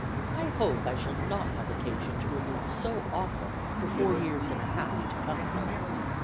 I hope I shall not have occasion to remove so often for four years and a half to come."